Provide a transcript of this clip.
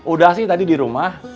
udah sih tadi di rumah